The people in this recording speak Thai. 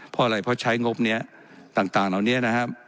เพราะอะไรเพราะใช้งบนี้ต่างเหล่านี้นะครับ